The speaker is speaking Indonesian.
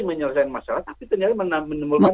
menyelesaikan masalah tapi ternyata menimbulkan